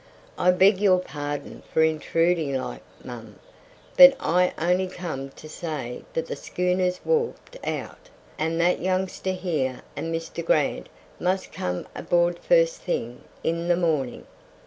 I beg your pardon for intruding like, mum, but I only come to say that the schooner's warped out, and that youngster here and Mr Grant must come aboard first thing in the morning.